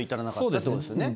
そうですね。